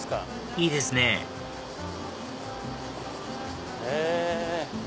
いいですねへぇ。